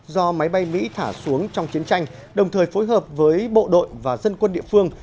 do máy bay mỹ thả xuống trong chiến tranh đồng thời phối hợp với bộ đội và dân quân địa phương